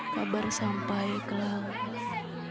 kabar sampai ke laut